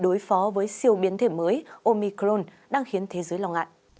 đối phó với siêu biến thể mới omicron đang khiến thế giới lo ngại